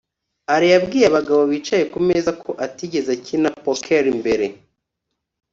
alain yabwiye abagabo bicaye kumeza ko atigeze akina poker mbere